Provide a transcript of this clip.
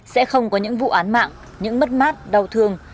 sẽ không có những vụ án mạng những mất mát đau thương